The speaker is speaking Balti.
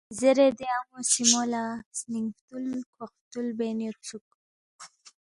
“ زیرے دے ان٘و سی مو لہ سنِنگ فتُول کھوق فتُول بین یودسُوک